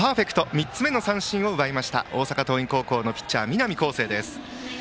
３つ目の三振を奪いました大阪桐蔭高校のピッチャー南恒誠です。